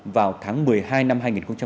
vào tháng một mươi hai năm hai nghìn một mươi bảy